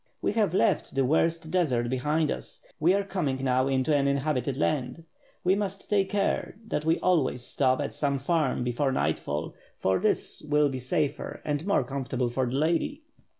We have left the worst desert behind us, we are coming now into an inhabitated land. We must take care that we always stop at some farm before nightfall, for this will be safer and more comfortable for the lady.